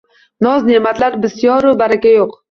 Noz-ne’matlar bisyoru, baraka yo‘q